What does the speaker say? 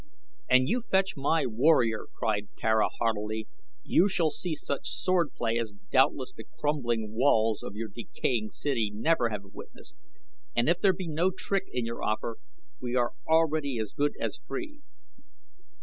"And you fetch my warrior," cried Tara haughtily, "you shall see such swordplay as doubtless the crumbling walls of your decaying city never have witnessed, and if there be no trick in your offer we are already as good as free."